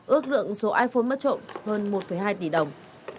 ước lượng số iphone mất trộm hơn một hai tỷ đồng